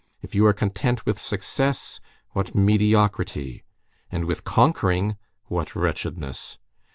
If you are content with success, what mediocrity, and with conquering, what wretchedness!